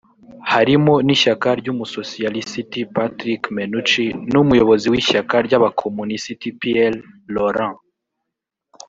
harimo n’ishyaka ry’umusosiyalisiti Patrick Mennucci n’umuyobozi w’ishyaka ry’abakomunisiti Pierre Laurent